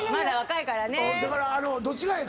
だからどっちがええ？